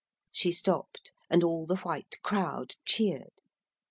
She stopped, and all the white crowd cheered.